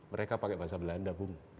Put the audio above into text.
mereka pakai bahasa belanda